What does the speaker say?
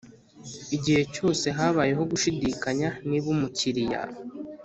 Igihe cyose habayeho gushidikanya niba umukiriya